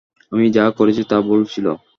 আমি যা করেছি তা ভুল ছিল।